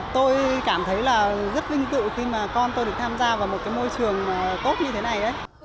tôi cảm thấy là rất vinh dự khi mà con tôi được tham gia vào một cái môi trường tốt như thế này